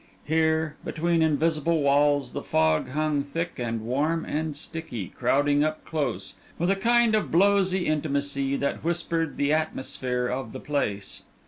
Here, between invisible walls, the fog hung thick and warm and sticky, crowding up close, with a kind of blowsy intimacy that whispered the atmosphere of the place.